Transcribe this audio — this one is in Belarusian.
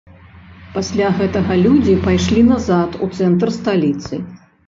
Пасля гэтага людзі пайшлі назад у цэнтр сталіцы.